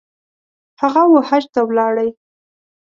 هغه ، وحج ته ولاړی